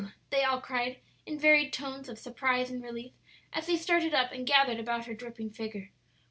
they all cried in varied tones of surprise and relief, as they started up and gathered about her dripping figure.